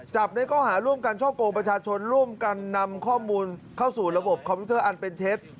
จับในข้อหาร่วมกันช่อกงประชาชนร่วมกันนำข้อมูลเข้าสู่ระบบคอมพิวเตอร์อันเป็นเท็จ